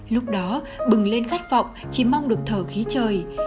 lúc đó bừng lên khát vọng chỉ mong được thở khí trời